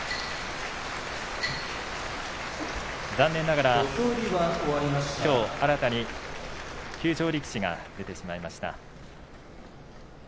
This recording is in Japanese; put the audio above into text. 残念ながら、きょう新たに休場力士が出てしまいました。